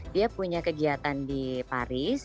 dia punya kegiatan di paris